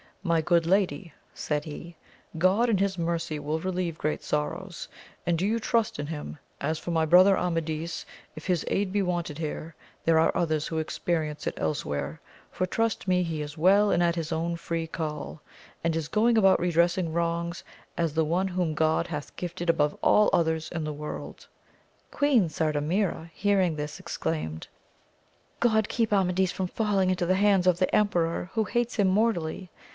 My good lady, said he, God in his mercy will relieve great sorrows, and do you trust in him ; as for my brother Amadis, if his aid be wanted here, there are others who experience it else where, for trust me he is well and at his own free call, and is going about redressing wrongs, as the one whom God hath gifted above all others in the world. Queen Sardamira hearing this exclaimed, God keep Amadis from falling into the hands of the emperor who hates him mortally